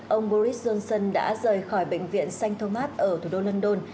ông boris johnson đã rời khỏi bệnh viện sanh thomas ở thủ đô london